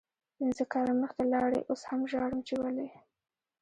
پنځه کاله مخکې لاړی اوس هم ژاړم چی ولې